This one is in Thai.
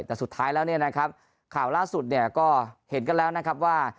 แต่สุดท้ายแล้วเนี่ยนะครับข่าวล่าสุดเนี่ยก็เห็นกันแล้วนะครับว่า